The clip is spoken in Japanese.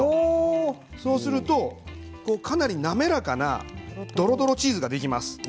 そうするとかなり滑らかなどろどろチーズができます。